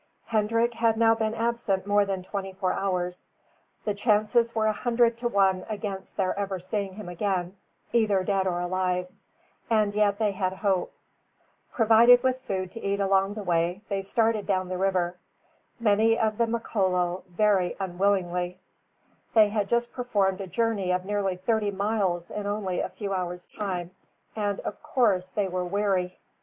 Hendrik had now been absent more than twenty four hours. The chances were a hundred to one against their ever seeing him again, either dead or alive; and yet they had hope. Provided with food to eat along the way, they started down the river, many of the Makololo very unwillingly. They had just performed a journey of near thirty miles in only a few hours' time, and of course they were weary.